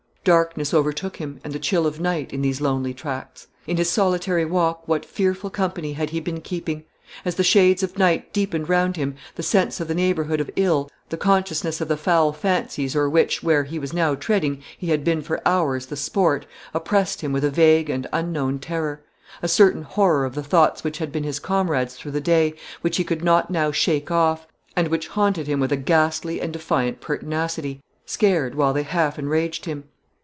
Darkness overtook him, and the chill of night, in these lonely tracts. In his solitary walk, what fearful company had he been keeping! As the shades of night deepened round him, the sense of the neighborhood of ill, the consciousness of the foul fancies or which, where he was now treading, he had been for hours the sport, oppressed him with a vague and unknown terror; a certain horror of the thoughts which had been his comrades through the day, which he could not now shake off, and which haunted him with a ghastly and defiant pertinacity, scared, while they half enraged him.